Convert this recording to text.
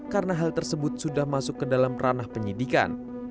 karena hal tersebut sudah masuk ke dalam ranah penyidikan